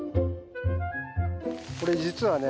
これ実はね